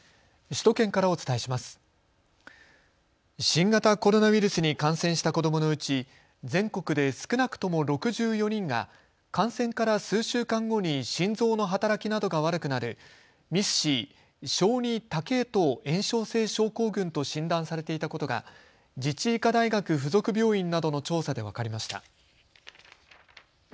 新型コロナウイルスに感染した子どものうち全国で少なくとも６４人が感染から数週間後に心臓の働きなどが悪くなるＭＩＳ−Ｃ・小児多系統炎症性症候群と診断されていたことが自治医科大学附属病院などの調査で分かりました。